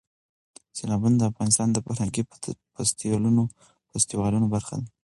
سیلابونه د افغانستان د فرهنګي فستیوالونو برخه ده.